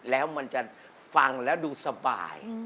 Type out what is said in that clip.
แล้วมันจะฟังแล้วดูสบาย